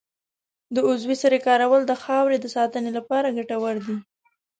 د عضوي سرې کارول د خاورې د ساتنې لپاره ګټور دي.